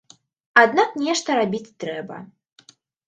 Аднак нешта рабіць трэба.